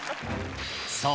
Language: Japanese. そう！